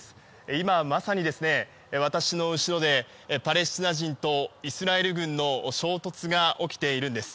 今、まさに私の後ろでパレスチナ人とイスラエル軍の衝突が起きているんです。